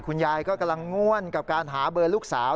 คุณยายก็กำลังง่วนกับการหาเบอร์ลูกสาว